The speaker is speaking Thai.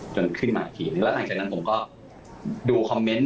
ขึ้นมาอีกทีแล้วหลังจากนั้นผมก็ดูคอมเมนต์